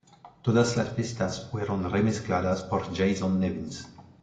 Todas las pistas fueron remezcladas por Jason Nevins.